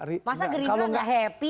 masa gerindra enggak happy